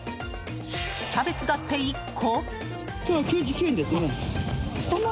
キャベツだって、１個。